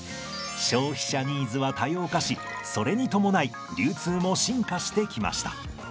消費者ニーズは多様化しそれに伴い流通も進化してきました。